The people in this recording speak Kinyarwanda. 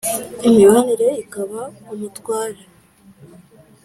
imibanire ikaba umutware